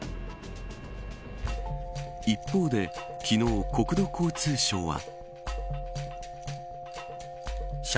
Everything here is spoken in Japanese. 一方で昨日、国土交通省は。